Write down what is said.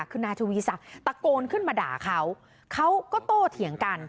คือนายทวีศักดิ์ตะโกนขึ้นมาด่าเขาเขาก็โตเถียงกัน